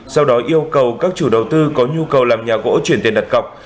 sau đó yêu cầu các chủ đầu tư có nhu cầu làm nhà gỗ chuyển tiền đặt cọc